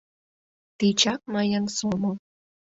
Тичак мыйын сомыл.